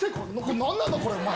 何なんだ、これ、お前。